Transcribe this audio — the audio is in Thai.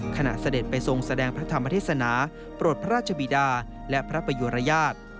เสด็จไปทรงแสดงพระธรรมเทศนาโปรดพระราชบีดาและพระประยุรยาท